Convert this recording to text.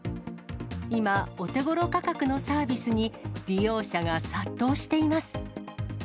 今、お手ごろ価格のサービスに、利用者が殺到しています。